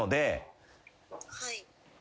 はい。